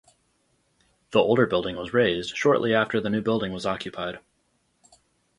The older building was razed shortly after the new building was occupied.